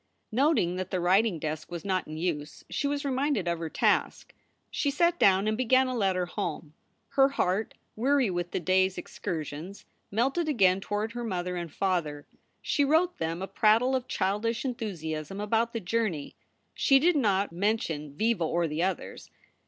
Noting that the writing desk was not in use, she was reminded of her task. She sat down and began a letter home. Her heart, weary with the day s excursions, melted again toward her mother and father. She wrote them a prattle of childish enthusiasm about the journey. She did not mention Viva or the others.